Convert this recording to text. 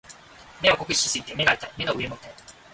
目を酷使しすぎて目が痛い。目の上も痛い。